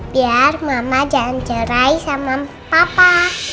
biar mama jangan cerai sama papa